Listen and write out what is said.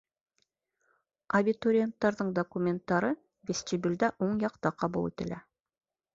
Абитуриенттарҙың документтары вестибюлдә уң яҡта ҡабул ителә.